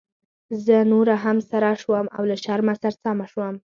زه نوره هم سره شوم او له شرمه سرسامه شوم.